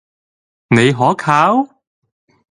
你可靠？